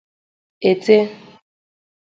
ètè